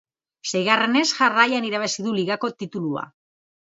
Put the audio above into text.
Seigarrenez jarraian irabazi du ligako titulua.